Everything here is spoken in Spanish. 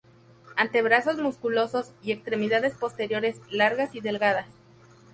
Antebrazos musculosos y extremidades posteriores largas y delgadas.